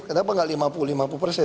kenapa nggak lima puluh lima puluh persen